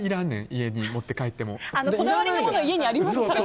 家に持って帰ってもこだわりのもの家にありますからね。